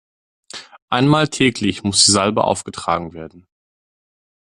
Einmal täglich muss die Salbe aufgetragen werden.